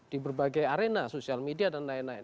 di berbagai arena sosial media dan lain lain